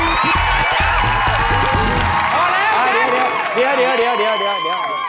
เดี๋ยวเดี๋ยว